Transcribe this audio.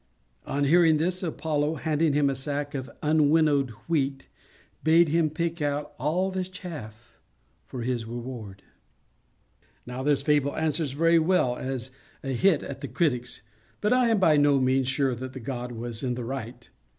On hearing this, Apollo, handing him a sack of unwinnowed wheat, bade him pick out _all the chaff _for his reward. Now this fable answers very well as a hit at the critics—but I am by no means sure that the god was in the right.